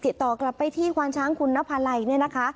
ติดต่อกลับไปที่ควานช้างคุณนภาลัยเนี่ยนะคะ